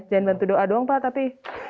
jangan bantu doa doang pak tapi